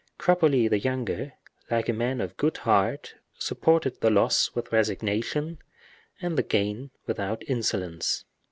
Cropoli the younger, like a man of good heart, supported the loss with resignation, and the gain without insolence.